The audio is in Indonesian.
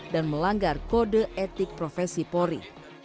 dan melanggar kode etik profesi pori